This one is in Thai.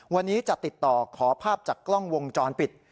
วันนี้จะติดต่อขอภาพจากกล้องวงจรปิด